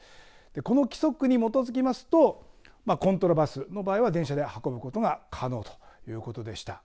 この規則に基づきますとコントラバスの場合は電車で運ぶことが可能ということでした。